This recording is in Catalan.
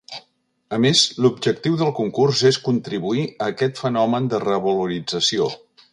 A més l’objectiu del concursés contribuir a aquest fenomen de revalorització.